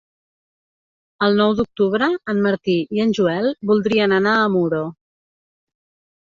El nou d'octubre en Martí i en Joel voldrien anar a Muro.